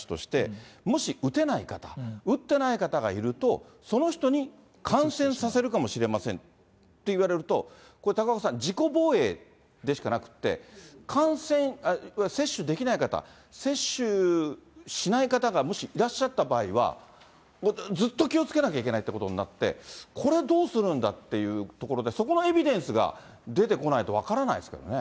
でも一方で出てきた話として、もし打てない方、打ってない方がいると、その人に感染させるかもしれませんって言われると、これ、高岡さん、自己防衛でしかなくて、感染、接種できない方、接種しない方がもしいらっしゃった場合は、ずっと気をつけなきゃいけないってことになって、これをどうするんだっていうところで、そこのエビデンスが出てこないと分からないですけどね。